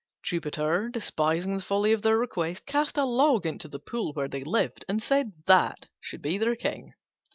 Jupiter, despising the folly of their request, cast a log into the pool where they lived, and said that that should be their King.